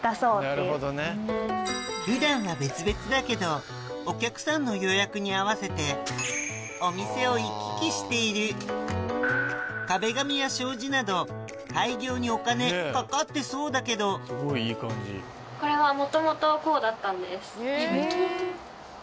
普段は別々だけどお客さんの予約に合わせてお店を行き来している壁紙や障子など開業にお金かかってそうだけど元々？